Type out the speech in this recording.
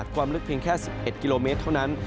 ความลึกเพียงแค่๑๑กิโลเมตรเท่านั้น